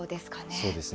そうですね。